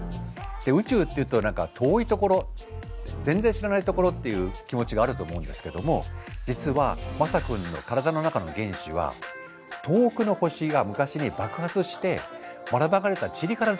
宇宙っていうと何か遠いところ全然知らないところっていう気持ちがあると思うんですけども実はまさ君の体の中の原子は遠くの星が昔に爆発してばらまかれたちりからできてるんです。